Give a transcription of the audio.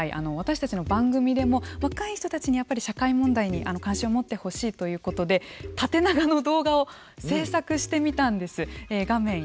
実は今回私たちの番組でも若い人たちに社会問題に関心を持ってほしいということで縦長の動画を制作してみたんです。